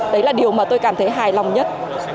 đấy là điều mà tôi cảm thấy hài lòng nhất